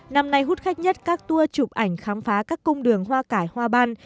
năm nay hút khách nhất các tour chụp ảnh khám phá các cung đường hoa cải hoa ban